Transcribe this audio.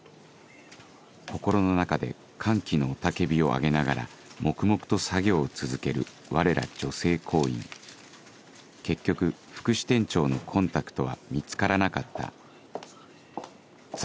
心の中で歓喜の雄たけびを上げながら黙々と作業を続けるわれら女性行員結局副支店長のコンタクトは見つからなかったざ